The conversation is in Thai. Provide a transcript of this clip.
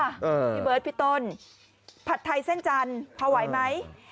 พี่เบิร์ดพี่ต้นผัดไทยเส้นจันทร์พอไหวไหม